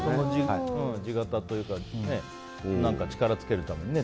地肩いうか力つけるためにね。